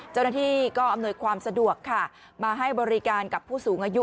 เจ้าหน้าที่ก็อำนวยความสะดวกค่ะมาให้บริการกับผู้สูงอายุ